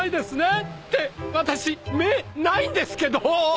って私目ないんですけど！